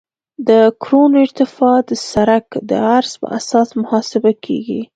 د کرون ارتفاع د سرک د عرض په اساس محاسبه کیږي